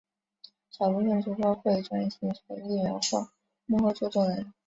少部份主播会转型成艺人或幕后制作人。